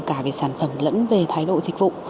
cả về sản phẩm lẫn về thái độ dịch vụ